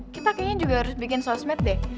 kita kayaknya juga harus bikin sosmed deh